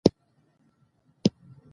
اداري نظارت د سمون وسیله ده.